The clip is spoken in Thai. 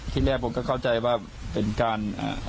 ที่แรกผมก็เข้าใจว่าเป็นการ